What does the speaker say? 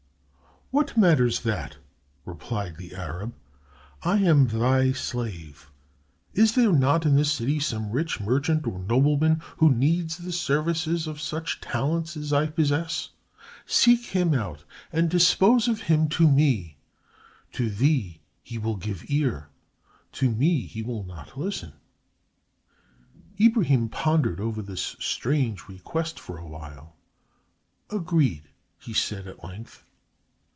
"What matters that?" replied the Arab. "I am thy slave. Is there not in this city some rich merchant or nobleman who needs the services of such talents as I possess? Seek him out and dispose of me to him. To thee he will give ear; to me he will not listen." Ibrahim pondered over this strange request for a while. "Agreed!" he said, at length.